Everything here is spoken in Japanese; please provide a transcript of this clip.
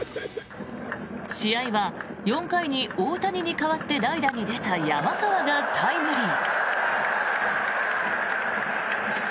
試合は４回に大谷に代わって代打に出た山川がタイムリー。